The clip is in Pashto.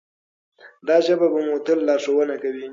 دا ژبه به مو تل لارښوونه کوي.